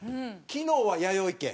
昨日はやよい軒。